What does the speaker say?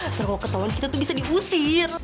nggak kalau ketauan kita tuh bisa diusir